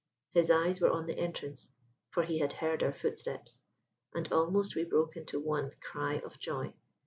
His eyes were on the entrance; for he had heard our footsteps. And almost we broke into one cry of joy.